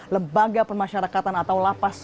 lebaga permasyarakatan atau lapas